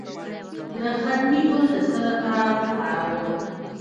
د ختمي ګل د څه لپاره وکاروم؟